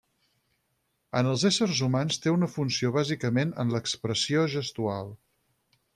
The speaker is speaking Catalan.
En els éssers humans té una funció bàsicament en l'expressió gestual.